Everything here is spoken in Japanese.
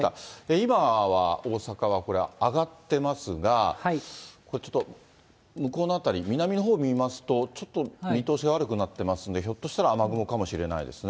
今は大阪はこれ、上がってますが、これ、ちょっと、向こうの辺り、南のほうを見ますと、ちょっと見通しが悪くなってますんで、ひょっとしたら雨雲かもしれないですね。